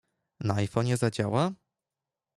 Na iPhonie zadziała?